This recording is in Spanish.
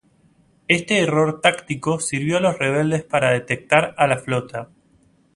Este error táctico sirvió a los rebeldes para detectar a la flota.